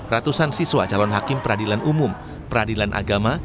ratusan siswa calon hakim peradilan umum peradilan agama